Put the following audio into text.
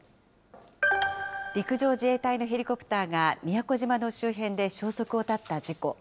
陸上自衛隊のヘリコプターが宮古島の周辺で消息を絶った事故。